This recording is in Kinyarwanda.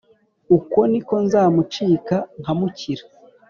uko ni ko nzamucika nkamukira